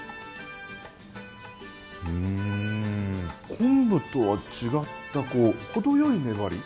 昆布とは違った程よい粘り。